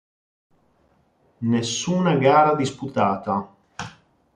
Nessuna gara disputata.